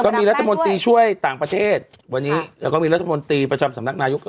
มีรัฐมนตรีช่วยต่างประเทศวันนี้แล้วก็มีรัฐมนตรีประจำสำนักนายก